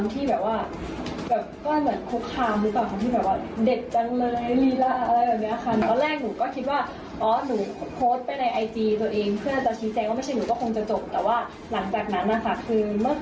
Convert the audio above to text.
ตอนหลังก็ได้มีข้อความที่แบบว่า